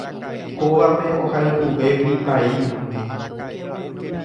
Kóvape ohayhuvégui paíno.